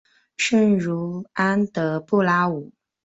圣茹安德布拉武。